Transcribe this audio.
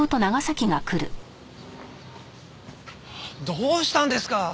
どうしたんですか？